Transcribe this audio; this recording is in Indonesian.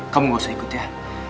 kamu gak usah ikut ya